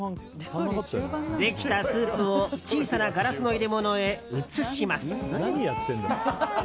できたスープを小さなガラスの入れ物へ移します。